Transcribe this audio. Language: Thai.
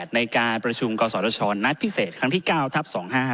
ในการประชุมกศชนัดพิเศษครั้งที่๙ทัพ๒๕